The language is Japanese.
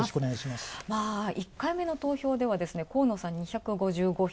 １回目の投票では河野さん２５５票。